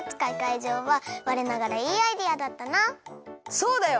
そうだよ！